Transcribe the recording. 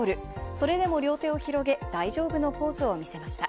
それでも両手を広げ、大丈夫のポーズを見せました。